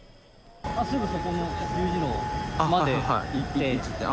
すぐそこの十字路まで行って。